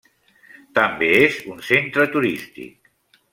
També és un centre turístic.